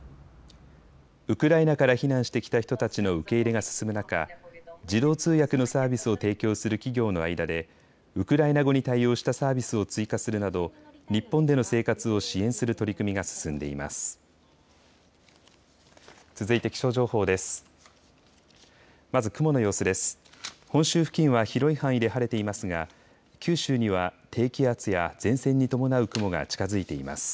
ウクライナから避難してきた人たちの受け入れが進む中、自動通訳のサービスを提供する企業の間でウクライナ語に対応したサービスを追加するなど日本での生活を支援する取り組みが進んでいます。